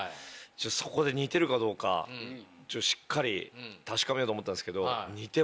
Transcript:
そこで似てるかどうかしっかり確かめようと思ったんすけど。